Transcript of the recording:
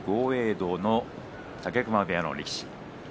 道の武隈部屋の力士。